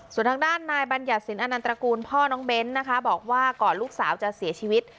ส่วนทางด้านนายบัญญัติสินอนันตระกูลพ่อน้องเบ้นนะคะบอกว่าก่อนลูกสาวจะเสียชีวิต